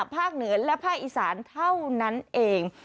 ภาคเหนือและภาคอีสานเท่านั้นเอง